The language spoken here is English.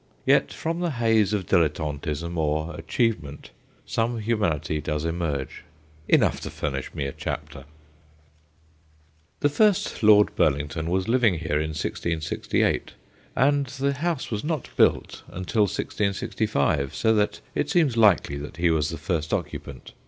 Yet from the haze of dilettantism or achieve ment some humanity does emerge, enough to furnish me a chapter. The first Lord Burlington was living here in 1668, and the house was not built until 108 THE GHOSTS OF PICCADILLY 1665, so that it seems likely that he was the first occupant.